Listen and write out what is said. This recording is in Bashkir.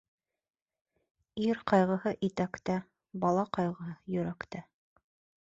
Ир ҡайғыһы итәктә, бала ҡайғыһы йөрәктә.